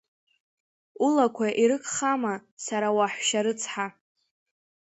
Улақәа ирыгхама, сара уаҳәшьа рыцҳа?